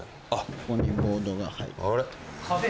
ここにボードが入る。